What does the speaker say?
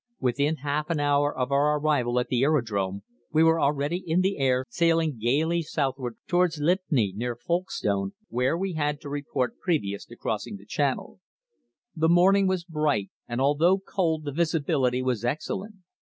Within half an hour of our arrival at the aerodrome we were already in the air sailing gaily southward towards Lympne, near Folkestone, where we had to report previous to crossing the Channel. The morning was bright, and although cold the visibility was excellent.